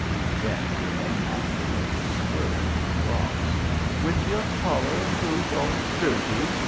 Again the name acted as a spur on Ross. "With your collar and boots all dirty?"